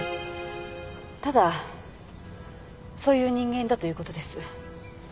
ただそういう人間だという事です。